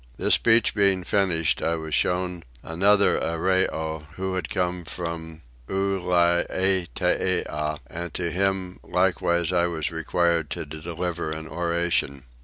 This speech being finished I was shown another Arreoy, who had come from Ulietea, and to him likewise I was required to deliver an oration.